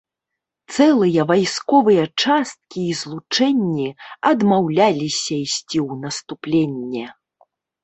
Цэлыя вайсковыя часткі і злучэнні адмаўляліся ісці ў наступленне.